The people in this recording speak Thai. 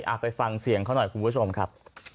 ไปฟังเสียงเขาหน่อยคุณผู้ชมครับ